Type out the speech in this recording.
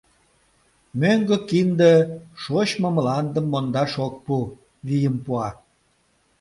Мӧҥгӧ кинде шочмо мландым мондаш ок пу, вийым пуа.